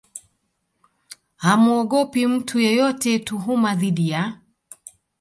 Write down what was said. hamuogopi mtu yeyote Tuhuma dhidi ya